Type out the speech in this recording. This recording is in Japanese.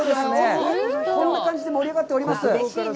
こんな感じで盛り上がっております。